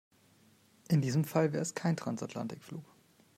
In diesem Fall wäre es kein Transatlantikflug.